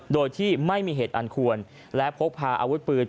โดยที่ไม่มีเหตุอันควรและพกพาอาวุธปืน